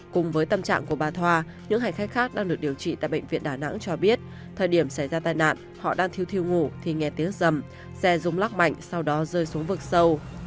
cùng với tâm trạng của bà thoa những hành khách khác đang được điều trị tại bệnh viện đà nẵng cho biết thời điểm xảy ra tai nạn họ đang thiếu thiêu ngủ thì nghe tiếng dầm xe rung lắc mạnh sau đó rơi xuống vực sâu